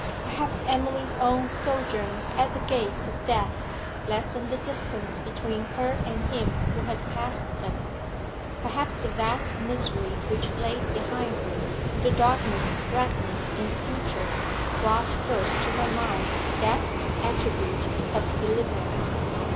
Perhaps Emily's own sojourn at the gates of death lessened the distance between her and him who had passed them; perhaps the vast misery which lay behind her, the darkness threatening in the future, brought first to her mind death's attribute of deliverance.